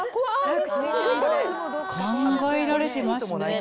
考えられてますね。